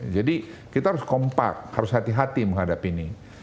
jadi kita harus kompak harus hati hati menghadapi ini